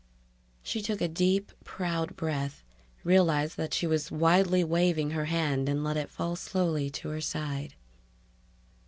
She took a deep, proud breath, realized that she was wildly waving her hand and let it fall slowly to her side.